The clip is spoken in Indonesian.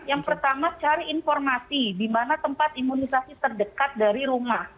yang pertama cari informasi di mana tempat imunisasi terdekat dari rumah